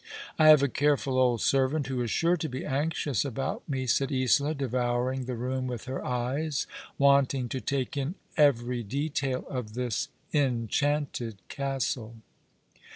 I have a careful old servant who is sure to be anxious about me," said Isola, devouring the room with her eyes, wanting to take in every detail of this enchanted castle.